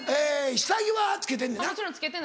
下着は着けてんねんな？